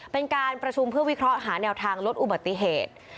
เป็นการประชุมเพื่อวิเคราะห์หาแนวทางลดอุบัติเหตุ